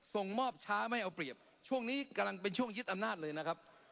ส่งมอบช้าไม่เอาเปรียบช่วงนี้กำลังเป็นช่วงยึดอำนาจเลยนะครับ